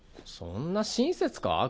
そんな親切か？